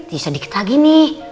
tidak usah sedikit lagi nih